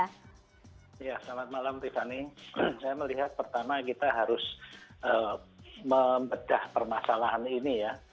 ya selamat malam tiffany saya melihat pertama kita harus membedah permasalahan ini ya